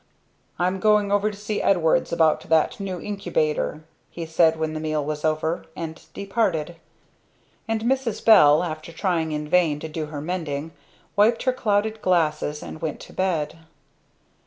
"I'm going over to see Edwards about that new incubator," he said when the meal was over, and departed; and Mrs. Bell, after trying in vain to do her mending, wiped her clouded glasses and went to bed.